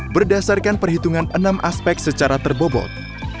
berdasarkan perhitungan enam aspek secara terbobot